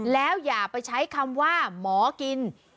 แล้วอย่าไปใช้คำว่าหมอกิน